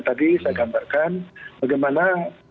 tadi saya gambarkan bagaimana